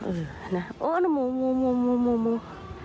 โอ้โหหมู